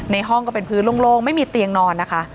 ห้องก็เป็นพื้นโล่งไม่มีเตียงนอนนะคะ